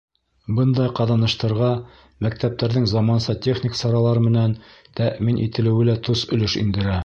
Бындай ҡаҙаныштарға мәктәптәрҙең заманса техник саралар менән тәьмин ителеүе лә тос өлөш индерә.